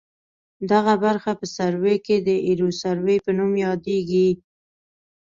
دغه برخه په سروې کې د ایروسروې په نوم یادیږي